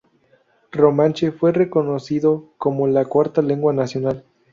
Romanche fue reconocido como la cuarta lengua nacional.